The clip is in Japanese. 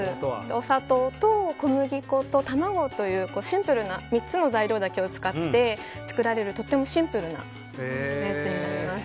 お砂糖と小麦粉と卵というシンプルな３つの材料だけを使って作られる、とてもシンプルなおやつになります。